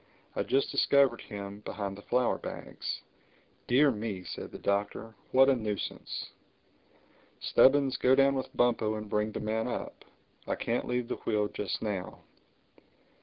"I just discovered him, behind the flour bags." "Dear me!" said the Doctor. "What a nuisance! Stubbins, go down with Bumpo and bring the man up. I can't leave the wheel just now."